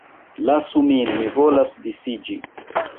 Lasu min, mi volas disiĝi!